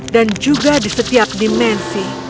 dan juga di setiap dimensi